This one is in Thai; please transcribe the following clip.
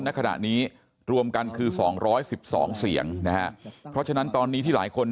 ณขณะนี้รวมกันคือ๒๑๒เสียงนะฮะเพราะฉะนั้นตอนนี้ที่หลายคน